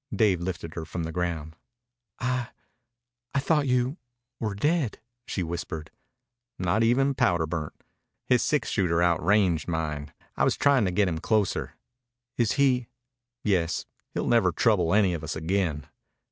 Dave lifted her from the ground. "I... I thought you... were dead," she whispered. "Not even powder burnt. His six shooter outranged mine. I was trying to get him closer." "Is he...?" "Yes. He'll never trouble any of us again."